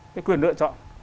cái quyền lựa chọn